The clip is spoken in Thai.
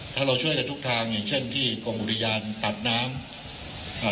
ถ้าเราช่วยกันทุกทางอย่างเช่นที่กรมอุทยานตัดน้ำอ่า